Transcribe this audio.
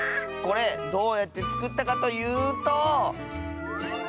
これどうやってつくったかというと！